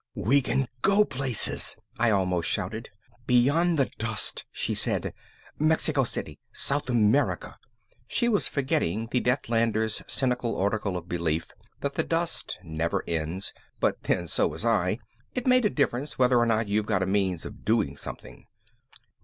"We can go places!" I almost shouted. "Beyond the dust," she said. "Mexico City. South America!" She was forgetting the Deathlander's cynical article of belief that the dust never ends, but then so was I. It makes a difference whether or not you've got a means of doing something.